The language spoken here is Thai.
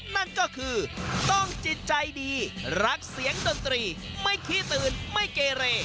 นั่นก็คือต้องจิตใจดีรักเสียงดนตรีไม่ขี้ตื่นไม่เกเร